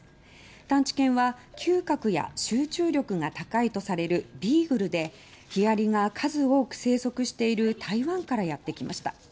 探知犬は嗅覚や集中力が高いとされるビーグルでヒアリが数多く生息している台湾からやってきました。